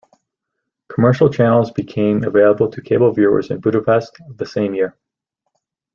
Commercial channels became available to cable viewers in Budapest the same year.